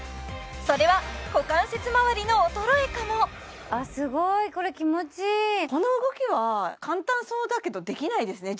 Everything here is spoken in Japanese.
それは股関節まわりの衰えかもすごいこれこの動きは簡単そうだけどできないですね